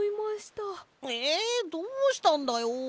えっどうしたんだよ？